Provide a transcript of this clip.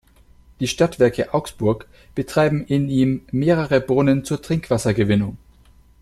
Die Stadtwerke Augsburg betreiben in ihm mehrere Brunnen zur Trinkwassergewinnung.